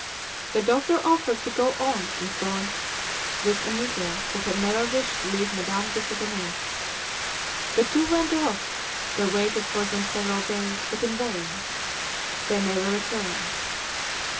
The doctor offered to go on in front with a negro who had never wished to leave Madame des Odonais. The two went off; they waited for them several days, but in vain. They never returned.